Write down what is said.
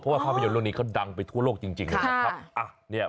เพราะว่าภาพยนตร์ที่ดังไปทั่วโลกจริงเนี้ย